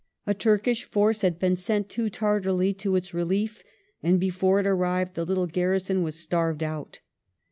A Turkish force had been sent too tar dily to its relief, and before it arrived the little garrison was starved out.